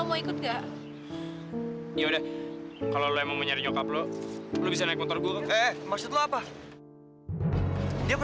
makasih tapi gue lagi gak mau apa apa